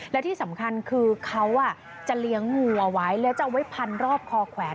และที่สำคัญคือเขาจะเลี้ยงงูเอาไว้แล้วจะเอาไว้พันรอบคอแขวน